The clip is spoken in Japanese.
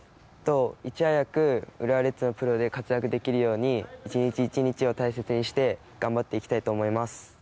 いち早く浦和レッズのプロで活躍できるように一日一日を大切にして頑張っていきたいと思います。